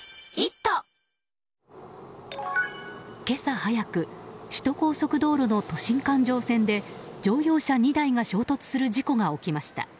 今朝早く、首都高速道路の都心環状線で乗用車２台が衝突する事故が起きました。